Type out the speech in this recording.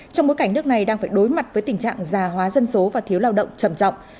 trong bối cảnh nước này đang phải đối mặt với tình trạng già hóa dân số và thiếu lao động trầm trọng